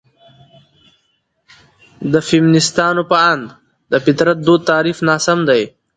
د فيمنستانو په اند: ''...د فطرت دود تعريف ناسم دى.